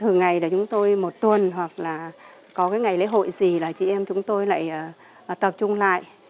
hằng ngày là chúng tôi một tuần hoặc là có cái ngày lễ hội gì là chị em chúng tôi lại tập trung lại